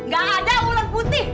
gak ada ular putih